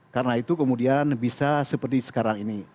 karena itu kemudian bisa seperti sekarang ini